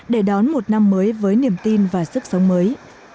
để đón một năm mới với niềm tin và sức sống mới